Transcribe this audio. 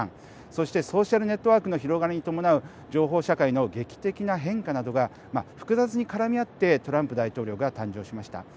そしてソーシャルネットワークの広がりに伴う情報社会の劇的な変化などが複雑に絡み合ってトランプ大統領が誕生しました。